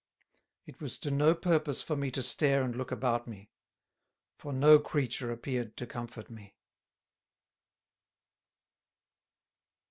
It was to no purpose for me to stare and look about me; for no Creature appeared to comfort me.